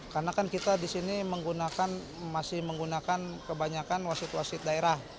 karena kan kita di sini masih menggunakan kebanyakan wasit wasit daerah